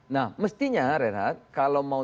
nah mestinya renhat kalau mau